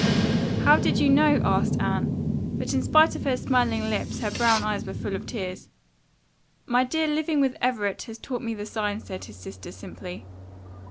"How did you know?" asked Anne, but in spite of her smiling lips her brown eyes were full of tears. "My dear, living with Everett has taught me the signs," said his sister simply.